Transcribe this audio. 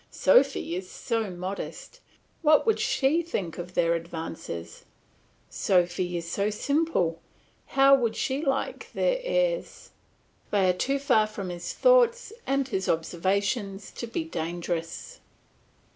Sophy is so modest? What would she think of their advances! Sophy is so simple! How would she like their airs? They are too far from his thoughts and his observations to be dangerous.